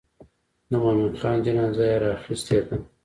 د مومن خان جنازه یې راخیستې ده.